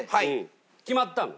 決まったの？